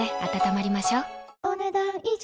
お、ねだん以上。